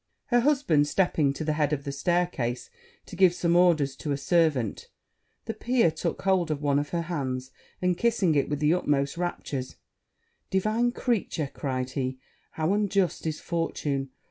Her husband, stepping to the head of the stair case to give some orders to a servant, the peer took hold of one of her hands, and kissing it with the utmost raptures, 'Divine creature,' cried he, 'how unjust is fortune!